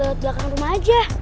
kita lewat belakang rumah aja